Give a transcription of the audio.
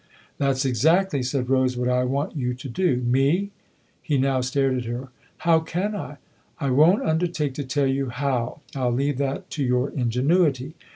''That's exactly," said Rose, "what I want you to do." " Me ?" He now stared at her. " How can I ?"" I won't undertake to tell you how I'll leave that to your ingenuity.